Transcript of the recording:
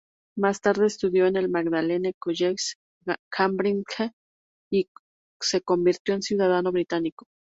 Más tarde estudió en el Magdalene College, Cambridge y se convirtió en ciudadano británico.